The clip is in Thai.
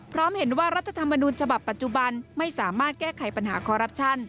พร้อมเห็นว่ารัฐธรรมนูญฉบับปัจจุบันไม่สามารถแก้ไขปัญหาคอรัปชั่น